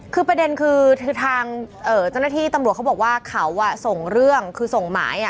คือประเด็นคือทางเจ้าหน้าที่ตำรวจเขาบอกว่าเขาส่งเรื่องคือส่งหมาย